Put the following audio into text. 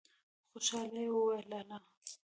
خوشالی يې وويل: لا لا!